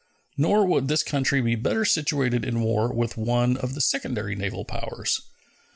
Nor would this country be better situated in war with one of the secondary naval powers.